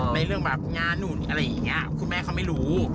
เรื่องแบบงานนู่นอะไรอย่างนี้คุณแม่เขาไม่รู้